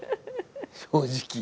正直。